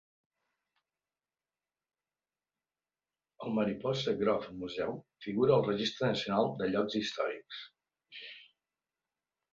El Mariposa Grove Museum figura al Registre Nacional de Llocs Històrics.